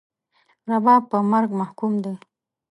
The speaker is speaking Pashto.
رباب په مرګ محکوم دی